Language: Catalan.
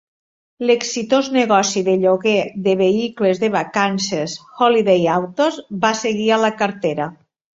L'exitós negoci de lloguer de vehicles de vacances, Holiday Autos, va seguir a la cartera.